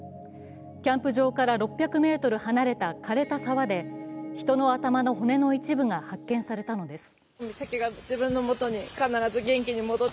キャンプ場から６００ｍ離れた枯れた沢で人の頭の骨の一部が発見されたのです。